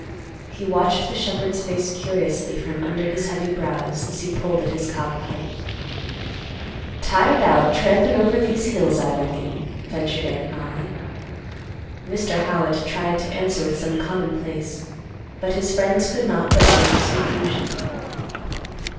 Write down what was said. He watched the shepherd's face curiously from under his heavy brows, as he pulled at his cob pipe. "Tired out trampin' over these hills, I reckon," ventured Aunt Mollie. Mr. Howitt tried to answer with some commonplace, but his friends could not but note his confusion.